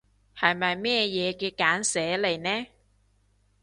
係咪咩嘢嘅簡寫嚟呢？